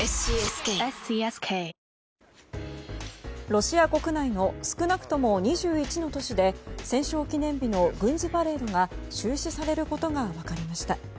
ロシア国内の少なくとも２１の都市で戦勝記念日の軍事パレードが中止されることが分かりました。